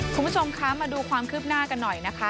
คุณผู้ชมคะมาดูความคืบหน้ากันหน่อยนะคะ